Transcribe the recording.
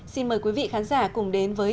xin mời quý vị khán giả cùng đến với